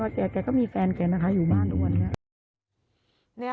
แสดงใจก็มีแฟนแกอยู่บ้านตัวเอย